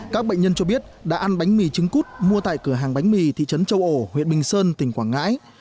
các bệnh nhân cho biết đã ăn bánh mì trứng cút mua tại cửa hàng bánh mì thị trấn châu ổ huyện bình sơn tỉnh quảng ngãi